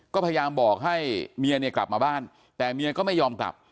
ก็พยายามบอกให้เมียเนี่ยกลับมาบ้านแต่เมียก็ไม่ยอมกลับ